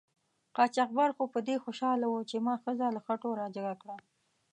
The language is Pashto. قاچاقبر خو په دې خوشحاله و چې ما ښځه له خټو را جګه کړه.